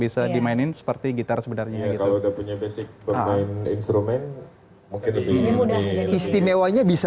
seperti gitar sebenarnya kalau udah punya basic bermain instrumen mungkin lebih istimewanya bisa